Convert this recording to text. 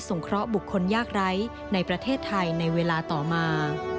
เคราะหบุคคลยากไร้ในประเทศไทยในเวลาต่อมา